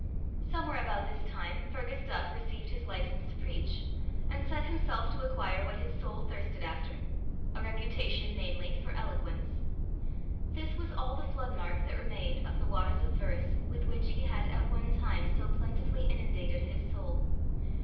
Somewhere about this time Fergus Duff received his license to preach, and set himself to acquire what his soul thirsted after a reputation, namely, for eloquence. This was all the flood mark that remained of the waters of verse with which he had at one time so plentifully inundated his soul.